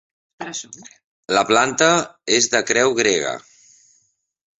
La planta és de creu grega.